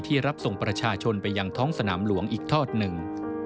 รับส่งประชาชนไปยังท้องสนามหลวงอีกทอดหนึ่ง